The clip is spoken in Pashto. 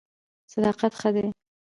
صداقت ښه دی.